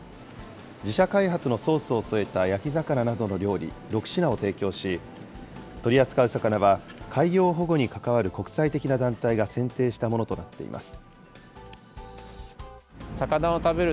自社開発のソースを添えた焼き魚などの料理６品を提供し、取り扱う魚は海洋保護に関わる国際的な団体が選定したものとなっています。